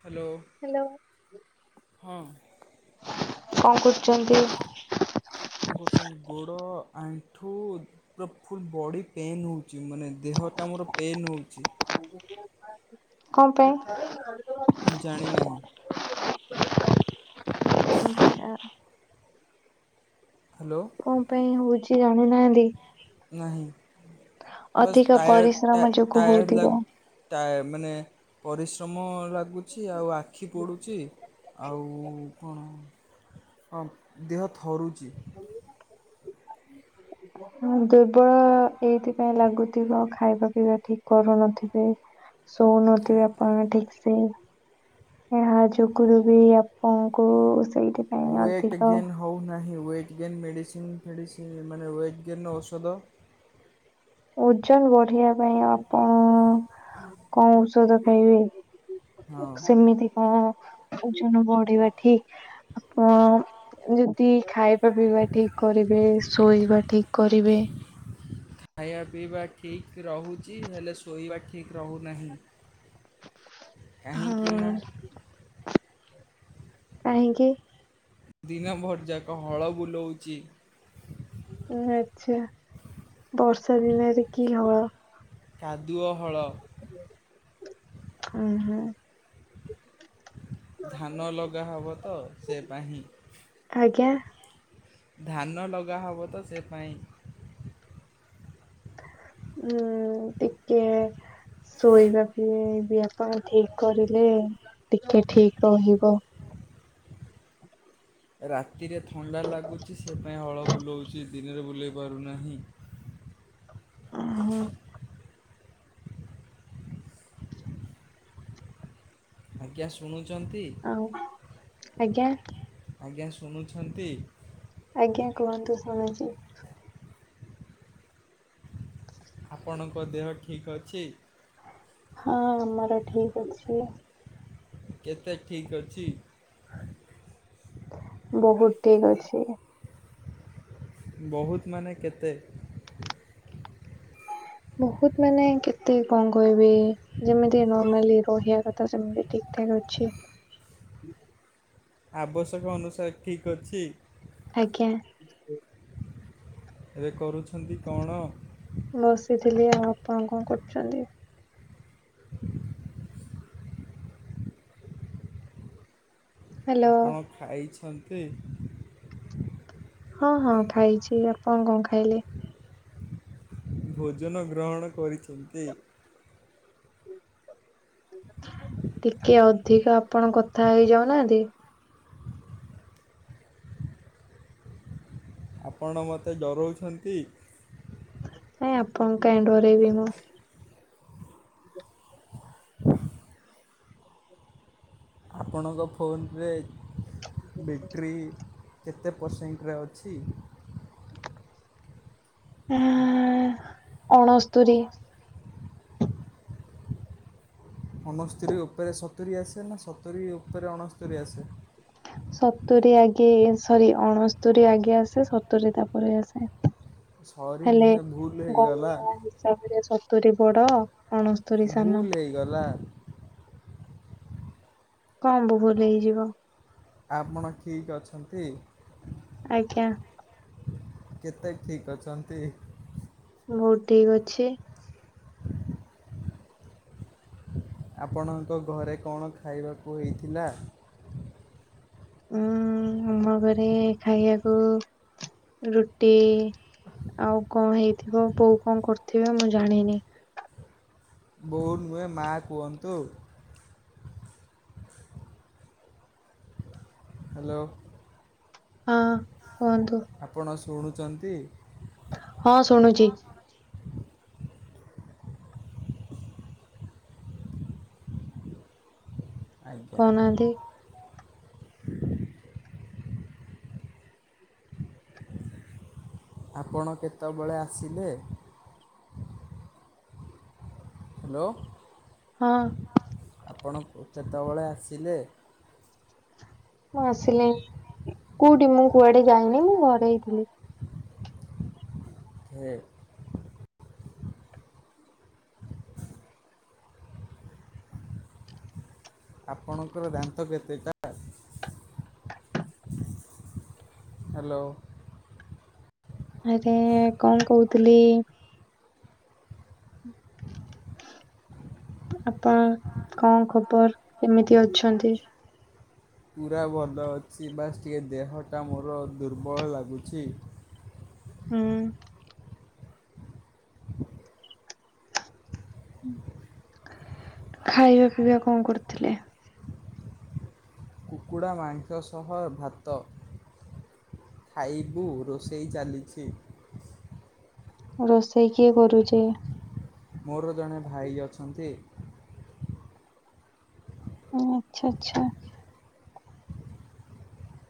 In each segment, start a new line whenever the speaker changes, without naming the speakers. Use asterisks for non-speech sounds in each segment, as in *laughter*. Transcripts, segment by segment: Hello.
Hello,
ହଁ
କଣ କରୁଛନ୍ତି?
କଣ କରୁଛନ୍ତି ଗୋଡ଼ ଆଣ୍ଠୁ। ପୁରା ଫୁଲ୍ ବଡ଼ି ପେନ୍ ହେଉଛି ମାନେ ଦେହଟା ମୋର ପେନ୍ ହେଉଛି।
କଣ ପାଇଁ? ଆଉ। *unintelligible*
ମୁଁ ଜାଣି ନାହିଁ। ହାଲୋ।
କଣ ପାଇଁ ହଉଛି ଜାଣିନାହାନ୍ତି?
ନାହିଁ। ବାସ୍
ଅଧିକ
ଟାୟ
ପରିଶ୍ରମ ଯୋଗୁ
ଟାୟର୍ଡ଼
ହଉଥିବ।
ଲାଗୁ ଟା ମାନେ ପରିଶ୍ରମ ଲାଗୁଛି, ଆଉ ଆଖି ପୋଡୁଛି। ଆଉ କଣ ହଁ ଦେହ ଥରୁଛି।
ଉଁ, ଦୁର୍ବଳ ଏଇଥିପାଇଁ ଲାଗୁଛି। ଖାଇବା ପିଇବା ଠିକ୍ କରୁନଥିବେ, ଶୋଉନଥିବେ ଆପଣ ଠିକ୍। ସେ। ଏହା ଯୋଗୁରୁ ବି ଆପଣଙ୍କୁ ସେଇଥିପାଇଁ
ଏକଟ
ଅଧିକ
ଗେନ୍ଦ। *unintelligible* ହଉନାହିଁ, ୱେଟ୍ ଗେନ୍ ମେଡ଼ିସିନ୍ ଫେଡ଼ିସିନ୍ ମାନେ ୱେଟ୍ ଗେନ୍ ଔଷଧ।
ଓଜନ ବଢିବା ପାଇଁ ଆପଣ କଣ ଔଷଧ ଖାଇବେ?
ହଁ
ସେମିତି କଣ ଓଜନ ବଢିବା ଠିକ୍। ଆପଣ ଯ ଦି ଖାଇବା ପିଇବା ଠିକ୍ କରିବେ, ଶୋଇବା ଠିକ୍ କରିବେ,
ଖାଇବା ପିଇବା ଠିକ୍ ରହୁଛି। ହେଲେ ଶୋଇବା ଠିକ୍ ରହୁନାହିଁ। କାହିଁକି ନା
ହଁ। କାହିଁକି?
ଦିନ ଭର୍ ଯାକ ହଳ ବୁଲଉଛି।
ଆଛା। ବର୍ଷା ଦିନରେ କି ହଳ?
କାଦୁଅ ହଳ।
ହୁଁ, ହୁଁ।
ଧାନ ଲଗାହବ ତ ସେ ପାଇଁ।
ଆଜ୍ଞା
ଧାନ ଲଗାହବ ତ ସେ ପାଇଁ।
ହୁଁ, ଟିକେ ଶୋଇବାବି ବି ଆପଣ ଠିକ୍ କରିଲେ ଟିକେ ଠିକ୍ ରହିବ।
ରାତିରେ ଥଣ୍ଡା ଲାଗୁଛି ସେପାଇଁ ହଳ ବୁଲଉଛି, ଦିନରେ ବୁଲେଇ ପାରୁନାହିଁ।
ହଁ
ଆଜ୍ଞା। ଶୁଣୁଛନ୍ତି?
ଆଉ। ଆଜ୍ଞା?
ଆଜ୍ଞା। ଶୁଣୁଛନ୍ତି?
ଆଜ୍ଞା। କୁହନ୍ତୁ ଶୁଣୁଛି? ହ *unintelligible*
ଆପଣଙ୍କ ଦେହ ଠିକ୍ ଅଛି?
ହଁ, ଆମର ଠିକ୍ ଅଛି।
କେତେ ଠିକ୍ ଅଛି?
ବହୁତ ଠିକ୍ ଅଛି।
ବହୁତ ମାନେ କେତେ?
ବହୁତ ମାନେ କେତେ କଣ କହିଵି? ଯେମିତି ନର୍ମାଲି ରହିବା କଥା, ସେମିତି ଠିକ୍ ଠାକ୍ ଅଛି।
ଆବଶ୍ୟକ ଅନୁସାରେ ଠିକ୍ ଅଛି?
ଆଜ୍ଞା।
ଏବେ କରୁଛନ୍ତି କଣ?
ବସିଥିଲି ଆଉ। ଆପଣ କଣ କରୁଛନ୍ତି?
*inaudible*
ହ୍ୟାଲୋ
ଆପଣ ଖାଇଛନ୍ତି?
ହଁ ହଁ ଖାଇଛି, ଆପଣ କଣ ଖାଇଲେ?
ଭୋଜନ ଗ୍ରହଣ କରିଛନ୍ତି?
ଟିକେ ଅଧିକ ଆପଣଙ୍କ କଥା ହେଇଯାଉନାହାନ୍ତି?
ଆପଣ ମୋତେ ଡରଉଛନ୍ତି?
ନାଇଁ ଆପଣଙ୍କୁ କାଇଁ ଡରେବି ମୁଁ?
ଆପଣଙ୍କ ଫୋନରେ ବ୍ୟାଟେ୍ରୀ କେତେ ପରସେଣ୍ଟରେ ଅଛି?
ହ ଅଣସ୍ତୁରୀ।
ଅଣସ୍ତରୀ ଉପରେ ସତୁରି ଆସେ ନା ସତୁରି ଉପରେ ଅଣସ୍ତରୀ ଆସେ?
ସତୁରି ଆଗେ, ସରି ଅଣସ୍ତରି ଆଗେ ଆସେ ସତୁରି ତାପରେ ଆସେ।
ସରି ନୁହେଁ ଭୁଲ ହେଇଗଲା।
ରେ ସତୁରି ବଡ ଅଣ
ଭୁଲ ହେଇଗଲା।
କଣବ ଭୁଲ ହେଇଯିବ?
ଆପଣ ଠିକ ଅଛନ୍ତି?
ଆଜ୍ଞା।
କେତେ ଠିକ ଅଛନ୍ତି?
ବହୁତ ଠିକ ଅଛି।
ଆପଣଙ୍କ ଘରେ କଣ ଖାଇବାକୁ ହେଇଥିଲା?
ଉଁ ଆମ ଘରେ ଖାଇବାକୁ ରୁଟି, ଆଉ କଣ ହେଇଥିବ କୋଉ କଣ କରୁଥିବେ ମୁଁ ଜାଣିନି।
ବୋଉ ନୁହେଁ ମା କୁହନ୍ତୁ। ହାଲୋ?
ହଁ କୁହନ୍ତୁ।
ଆପଣ ଶୁଣୁଛନ୍ତି?
ହଁ ଶୁଣୁଚି।
ଆଜ୍ଞା।
କହୁନାହାନ୍ତି
ଆପଣ କେତେବେଳେ ଆସିଲେ? ହାଲୋ?
ହଁ।
ହଁ ଆପଣ କେତେବେଳେ ଆସିଲେ?
ମୁଁ ଆସିଲିଣି କୋଉଠି ମୁଁ କୁଆଡେ ଯାଇନି ମୁଁ ଘରେହିଁଥିଲି।
ହେଁ? ଆପଣଙ୍କର ଦାନ୍ତ କେତେଟା? ହାଲୋ?
ଆରେ କଣ କହୁଥିଲି? *inaudible* ଆପଣ କଣ ଖବର କେମିତି ଅଛନ୍ତି?
ପୁରା ଭଲଅଛି ବାସ୍ ଟିକେ ଦେହଟା ମୋର ଦୁର୍ବଳ ଲାଗୁଛି।
ହୁଁ। ଖାଇବା ପିଇବା କଣ କରିଥିଲେ?
କୁକୁଡ଼ା ମାଂସସହ ଭାତ ଖାଇବୁ ରୋଷେଇ ଚାଲିଛି।
ରୋଷେଇ କିଏ କରୁଛି।
ମୋର ଜଣେ ଭାଇ ଅଛନ୍ତି।
ହଁ ଆଛା ଆଛା।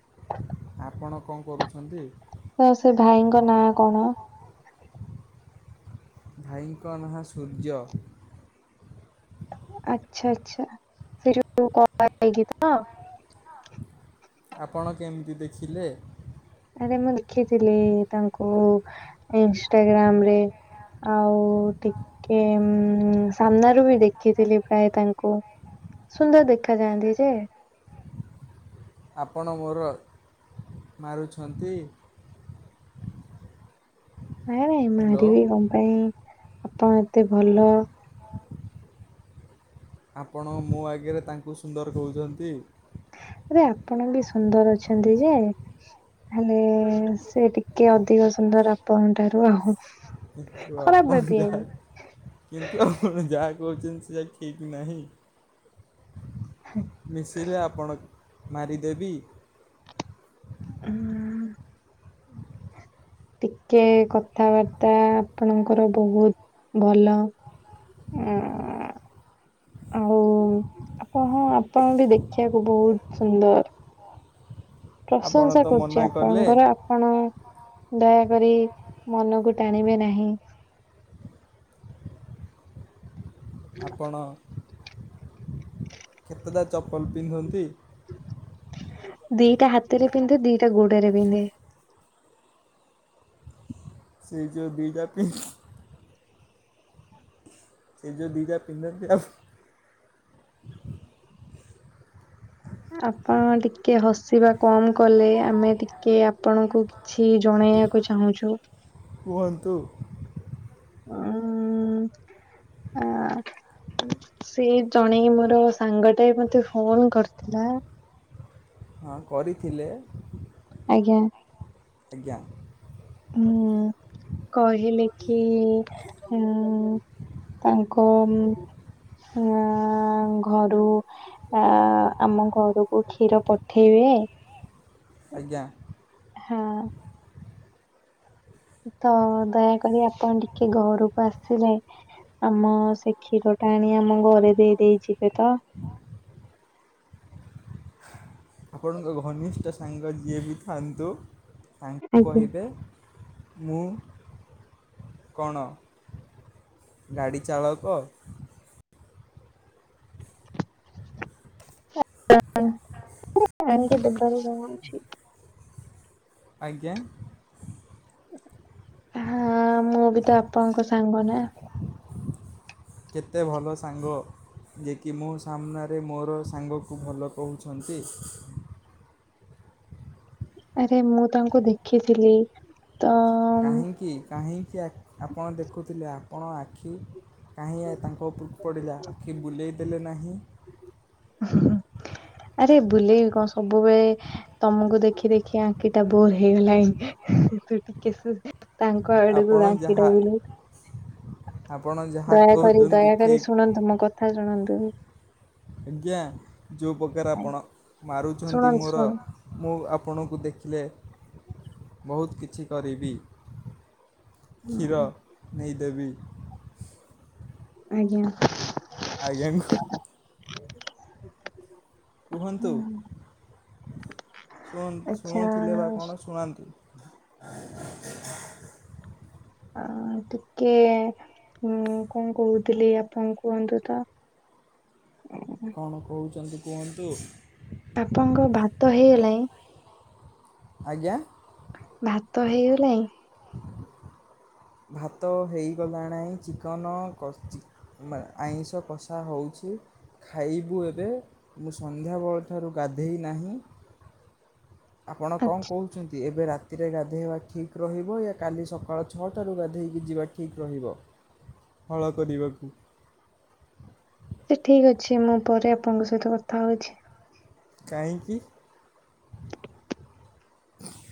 *inaudible*
ଆପଣ କଣ କରୁଛନ୍ତି?
ତ ସେ ଭାଇଙ୍କ ନାଁ କଣ?
ଭାଇଙ୍କ ନାଁ ସୂର୍ଯ୍ୟ।
ଆଛା ଆଛା ସେ ଯୋଉ ପୁଅ କଳା ହେଇକି ତ।
ଆପଣ କେମିତି ଦେଖିଲେ?
ଆରେ ମୁଁ ଦେଖିଥିଲି ତାଙ୍କୁ ଇନଷ୍ଟାଗ୍ରାମରେ। ଆଉ ଟିକ କି ଉଁ ସାମ୍ନାରୁବି ଦେଖିଥିଲି ପ୍ରାୟ ତାଙ୍କୁ। ସୁନ୍ଦର ଦେଖା ଯାଆନ୍ତି ଯେ
ଆପଣ ମୋର ମାରୁଛନ୍ତି।
ନାଇଁ ନାଇଁ
ହ୍ୟାଲୋ
ମାରିବି କଣ ପାଇଁ ଆପଣ ଏତେ ଭଲ।
ଆପଣ ମୋ ଆଗରେ ତାଙ୍କୁ ସୁନ୍ଦର କହୁଛନ୍ତି।
ଆରେ ଆପଣବି ସୁନ୍ଦର ଅଛନ୍ତିଯେ ହେଲେ ସେ ଟିକେ ଅଧିକ ସୁନ୍ଦର ଆପଣଙ୍କ ଠାରୁ ଆଉ।
କିନ୍ତୁ
ଖରାପ
ଆପଣ ଯାହା
ଭାବିବେନି
କିନ୍ତୁ ଆପଣ ଯାହା କହୁଛନ୍ତି ସେୟା ଠିକନାହିଁ। ମିଶିଲେ ଆପଣ ମାରିଦେବି।
ହୁଁ। ଟିକେ କଥାବାର୍ତ୍ତା ଆପଣଙ୍କର ବହୁତ ଭଲ। ହଁ। ଆଉ ଆପଣ ହଁ ଆପଣ ବି ଦେଖିବାକୁ ବହୁତ ସୁନ୍ଦର।
ଆପଣ
ପ୍ରଶଂସା
ତ
କରୁଛି
ମନା କଲେ
ଆପଣଙ୍କର ଆପଣ ଆପଣ ଦୟାକରି ମନକୁ ଟାଣିବେ ନାହିଁ।
ଆପଣ କେତେଟା ଚପଲ ପିନ୍ଧନ୍ତି?
ଦିଟା ହାତରେ ପିନ୍ଧେ ଦିଟା ଗୋଡରେ ପିନ୍ଧେ।
ସେଇ ଯୋଉ ଦିଟା ପି ସେ ଯୋଉ ଦିଇଟା ପିିନ୍ଧନ୍ତି ଆଉ
ଆପଣ ଟିକେ ହସିବା କମ କଲେ ଆମେ ଟିକେ ଆପଣଙ୍କୁ କିଛି ଜଣେଇବାକୁ ଚାହୁଁଛୁ।
କୁହନ୍ତୁ।
ହଁ ଆ ସେ ଜଣେଇ ମୋର ସାଙ୍ଗ ତେ ମତେ ଫୋନ କରିଥିଲା।
ହଁ କରିଥିଲେ,
ଆଜ୍ଞା
ଆଜ୍ଞା।
ହୁଁ। କହିଲି କି ଉଁ ତାଙ୍କୁ ଉଁ ଉଁ ଘରୁ ଆ ଆମ ଘରକୁ କ୍ଷୀର ପଠେଇବେ।
ଆଜ୍ଞା।
ହଁ। ତ ଦୟାକରି ଆପଣ ଟିକେ ଘରକୁ ଆସିବେ। ଆମ ସେ କ୍ଷୀର ଟା ଆଣି ଆମ ଘରେ ଦେଇ ଦେଇ ଯିବେ ତ।
ଆପଣଙ୍କ ଘନିଷ୍ଠ ସାଙ୍ଗ ଯିଏ ବି ଥାଆନ୍ତୁ ତାଙ୍କୁ
ଆଜ୍ଞା।
କହିବେ ମୁଁ। କଣ ଗାଡ଼ି ଚାଳକ?
*unintelligible*
ଆଜ୍ଞା।
ହଁ ମୁଁ ବି ତ ଆପଣଙ୍କ ସାଙ୍ଗ ନା।
କେତେ ଭଲ ସାଙ୍ଗ। ଯେ କିି ମୋ ସାମ୍ନାରେ ମୋର ସାଙ୍ଗକୁ ଭଲ କହୁଛନ୍ତି।
ଆରେ ମୁଁ ତାଙ୍କୁ ଦେଖିଥିଲି ତ।
କାହିଁକି କାହିଁକି ଆଖ ଆପଣ ଦେଖୁଥିଲେ ଆପଣ ଆଖି। କାହିଁ ଆ ତାଙ୍କ ଉପୁରୁକୁ ପଡ଼ିଲା ଆଖି ବୁଲେଇ ଦେଲେ ନାହିଁ।
ଆରେ ବୁଲେଇବି କଣ ସବୁବେଳେ। ତମୁକୁ ଦେଖି ଦେଖି ଆଖି ଟା ବୋର ହେଇଗଲାଣି ଟିକେ ଟିକେ *unintelligible* ତାଙ୍କ ଆଡୁକୁ
ଆପଣ ଯାହା
*unintelligible*
ଆପଣ ଯାହା
ଦୟାକରି
କହୁଛନ୍ତି
ଦୟାକରି
ଠିକ୍
ଶୁଣନ୍ତୁ ମୋ କଥା ଶୁଣନ୍ତୁ।
ଆଜ୍ଞା ଯୋଉ ପ୍ରକାର ଆପଣ ମାରୁଛନ୍ତି
ଶୁଣନ୍ତୁ
ମୋର। ମୁଁ ଆପଣଙ୍କୁ ଦେଖିଲେ ବହୁତ୍ କିଛି କରିବି। କ୍ଷୀର
ଶୁଣନ୍ତୁ।
ନେଇ ଦେବି।
ଆଜ୍ଞା।
ଆଜ୍ଞା କୁ କୁହନ୍ତୁ। କୁହନ୍ତ
ଆଚ୍ଛା
ଶୁଣଉଥିଲେ ବା କଣ ଶୁଣାନ୍ତୁ।
ଆ ଟିକେ। ହୁଁ କଣ କହୁଥିଲି ଆପଣ କୁହନ୍ତୁ ତ ଅ।
କଣ କହୁଛନ୍ତି କୁହନ୍ତୁ?
ଆପଣଙ୍କ ଭାତ ହେଇଗଲାଣି?
ଆଜ୍ଞା?
ଭାତ ହେଇଗଲାଣି?
ଭାତ ହେଇଗଲାଣାଇଁ ଚିକନ କଷଚି। ମା ଆଇଁଷ କଷା ହଉଛି। ଖାଇବୁ ଏବେ ମୁଁ ସନ୍ଧ୍ୟାବେଳଠାରୁ ଗାଧେଇ ନାହିଁ। ଆପଣ କଣ
ଆଚ୍ଛା
କହୁ ଛନ୍ତି ଏବେ ରାତିରେ ଗାଧେଇବା ଠିକ୍ ରହିବ ୟା କାଲି ସକାଳ ଛଅଟାରୁ ଗାଧେଇକି ଯିବା ଠିକ୍ ରହିବ? ହଳ କରିବାକୁ।
ସେ ଠିକ୍ ଅଛି ମୁଁ ପରେ ଆପଣଙ୍କ ସହିତ କଥା ହଉଛି।
କାହିଁକି?